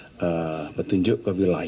nanti akan memberikan petunjuk ke wilayah ya